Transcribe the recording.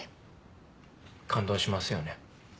感動しますよね。